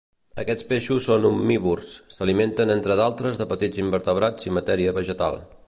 Aquests peixos són omnívors; s'alimenten entre d'altres de petits invertebrats i matèria vegetal.